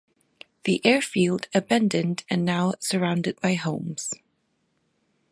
The airfield abandoned and now surrounded by homes.